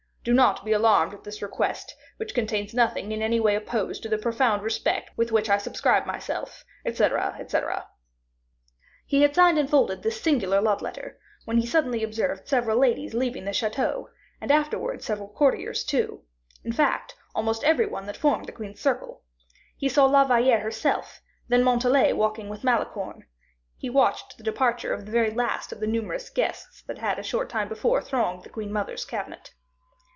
Do not be alarmed at this request, which contains nothing in any way opposed to the profound respect with which I subscribe myself, etc., etc." He had signed and folded this singular love letter, when he suddenly observed several ladies leaving the chateau, and afterwards several courtiers too; in fact, almost every one that formed the queen's circle. He saw La Valliere herself, then Montalais talking with Malicorne; he watched the departure of the very last of the numerous guests that had a short time before thronged the queen mother's cabinet.